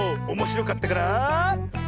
おもしろかったから。